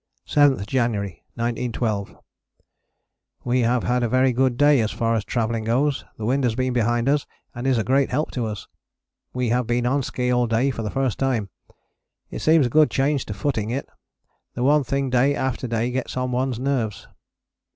7th January 1912. We have had a very good day as far as travelling goes, the wind has been behind us and is a great help to us. We have been on ski all day for the first time. It seems a good change to footing it, the one thing day after day gets on one's nerves.